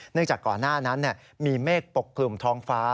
จากก่อนหน้านั้นมีเมฆปกคลุมท้องฟ้า